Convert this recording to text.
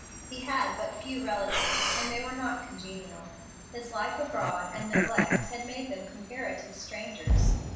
He had but few relatives, and they were not congenial. His life abroad, and neglect, had made them comparative strangers.